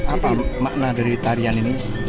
apa makna dari tarian ini